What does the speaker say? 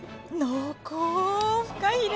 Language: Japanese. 濃厚！